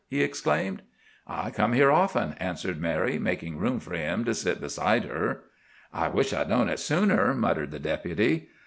he exclaimed. "I come here often," answered Mary, making room for him to sit beside her. "I wish I'd known it sooner," muttered the Deputy.